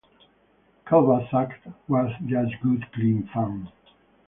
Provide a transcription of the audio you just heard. "Kelba's act was just good clean fun".